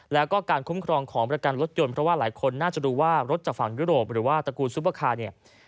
แล้วก็การคุ้มครองของประกันรถยนต์เพราะว่าหลายคนน่าจะดูว่ารถจากฝั่งยุโรปหรือว่าตระกูลซุปเปอร์คาร์เนี่ย